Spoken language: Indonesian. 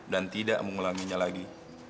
dan tidak mengulanginya lagi